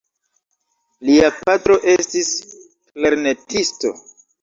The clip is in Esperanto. Lia patro estis klarnetisto.